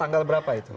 tanggal berapa itu